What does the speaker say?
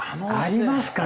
ありますかね？